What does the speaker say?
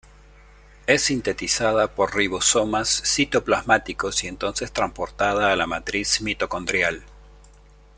Es sintetizada por ribosomas citoplasmáticos y entonces transportada a la matriz mitocondrial.